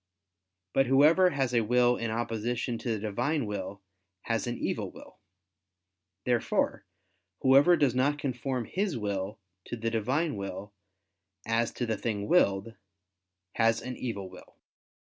But whoever has a will in opposition to the Divine will, has an evil will. Therefore whoever does not conform his will to the Divine will, as to the thing willed, has an evil will.